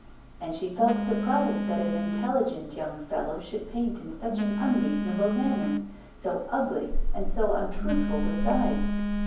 And she felt surprised that an intelligent young fellow should paint in such an unreasonable manner, so ugly and so untruthful besides.